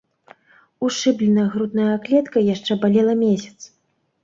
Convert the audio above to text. Ушыбленая грудная клетка яшчэ балела месяц.